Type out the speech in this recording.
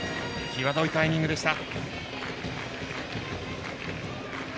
際どいタイミングでした。